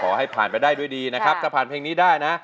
ขอให้ผ่านไปได้ด้วยดีนะครับถ้าผ่านเพลงนี้ได้นะ